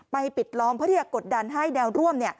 ปิดล้อมเพื่อที่จะกดดันให้แนวร่วม